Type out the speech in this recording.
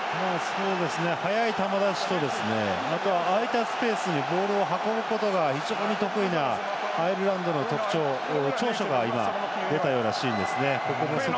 早い球出しとあとは空いたスペースにボールを運ぶことが非常に得意なアイルランドの長所が出たようなシーンですね。